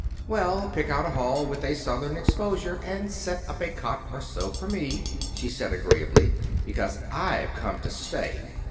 "Well, pick out a hall with a southern exposure and set up a cot or so for me," she said, agreeably; "because I've come to stay.